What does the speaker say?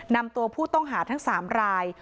นำตัวผู้ต้องหาทั้ง๓ราย